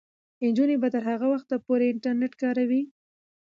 نجونې به تر هغه وخته پورې انټرنیټ کاروي.